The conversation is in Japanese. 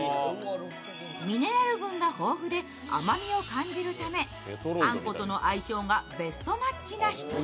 ミネラル分が豊富で甘みを感じるためあんことの相性がベストマッチな一品。